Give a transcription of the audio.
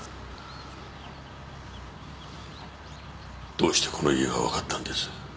どうしてこの家が分かったんです？